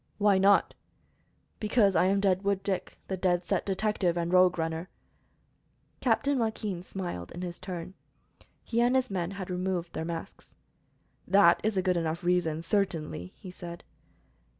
"Why not?" "Because I am Deadwood Dick, the Dead Set Detective and Rogue Runner." Captain Joaquin smiled in his turn. He and his men had now removed their masks. "That is a good enough reason, certainly," he said.